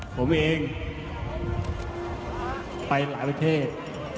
ผมเองไปหลายประเทศ